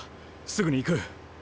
すぐに行く。